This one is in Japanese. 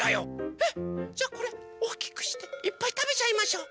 えっ⁉じゃあこれおおきくしていっぱいたべちゃいましょう。